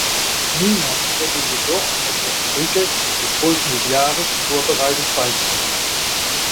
Niemand hätte jedoch auf das Cricket des folgenden Jahres vorbereitet sein können.